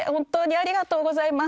ありがとうございます。